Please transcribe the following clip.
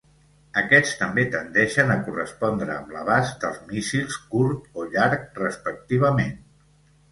Aquests també tendeixen a correspondre amb l'abast dels míssils, curt o llarg respectivament.